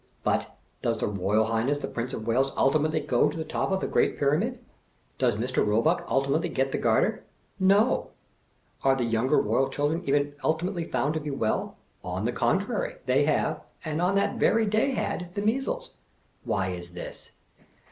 But, does his Eoyal "the tattlesnivel bleatee." 301 Highness the Prince of Wales ultimately go to the top of the Great Pyramid? Does Mr. Eoebixck ultimately get the Garter? No. Are the younger Koyal children even ultimately found to be well? On the contrary, they have — and on that very day had — the measles. Why is this?